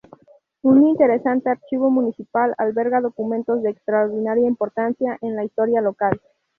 Un interesante Archivo Municipal alberga documentos de extraordinaria importancia en la historia local.